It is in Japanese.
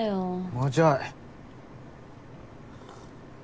もうちょい。